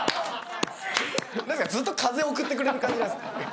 ずっと風送ってくれる感じなんすか？